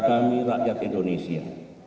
dan kami rakyat indonesia